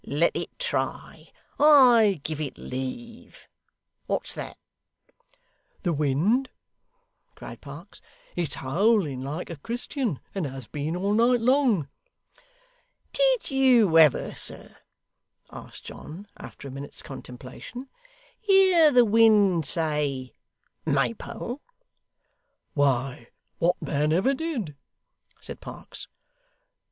'Let it try. I give it leave what's that?' 'The wind,' cried Parkes. 'It's howling like a Christian, and has been all night long.' 'Did you ever, sir,' asked John, after a minute's contemplation, 'hear the wind say "Maypole"?' 'Why, what man ever did?' said Parkes.